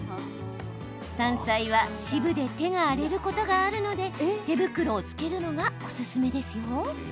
山菜は渋で手が荒れることがあるので手袋を着けるのがおすすめです。